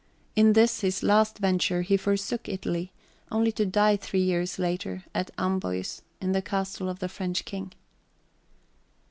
In this his last venture, he forsook Italy, only to die three years later at Amboise, in the castle of the French king.